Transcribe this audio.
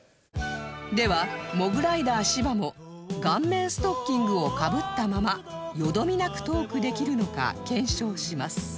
ではモグライダー芝も顔面ストッキングをかぶったままよどみなくトークできるのか検証します